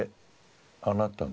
「あなたの」。